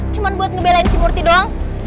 cuma buat ngebelain si murty doang